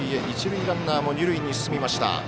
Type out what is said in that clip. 一塁ランナーも二塁に進みました。